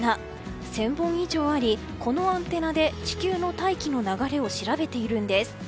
１０００本以上ありこのアンテナで地球の大気の流れを調べているんです。